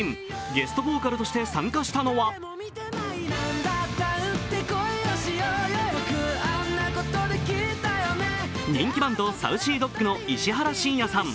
ゲストボーカルとして参加したのは人気バンド、ＳａｕｃｙＤｏｇの石原慎也さん。